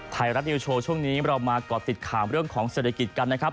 ไทยรัฐนิวโชว์ช่วงนี้เรามาก่อติดข่าวเรื่องของเศรษฐกิจกันนะครับ